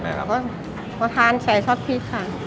แต่ว่าทานใส่ซอสพรีชค่ะ